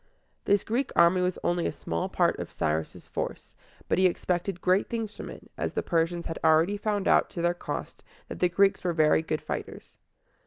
This Greek army was only a small part of Cyrus' force; but he expected great things from it, as the Persians had already found out to their cost that the Greeks were very good fighters.